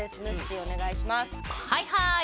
はいはい。